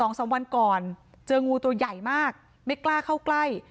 ตัวใหญ่มาหมด๒๓วันก่อนเจองูตัวใหญ่มากไม่กล้าเข้าใกล้